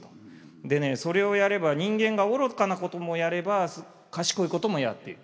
でねそれをやれば人間が愚かなこともやれば賢いこともやっている。